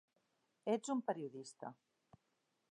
Ets un periodista.